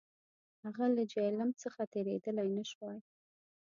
هغه له جیهلم څخه تېرېدلای نه شوای.